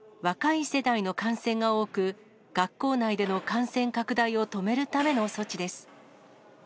若い世代の感染が多く、学校内での感染拡大を止めるための措置です。